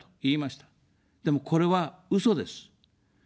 でも、これは、うそです。